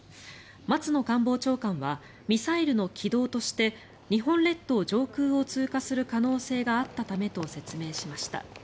松野官房長官はミサイルの軌道として日本列島上空を通過する可能性があったためと説明しました。